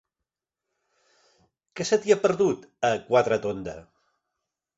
Què se t'hi ha perdut, a Quatretonda?